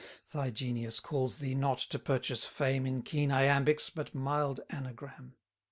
Thy genius calls thee not to purchase fame In keen Iambics, but mild Anagram.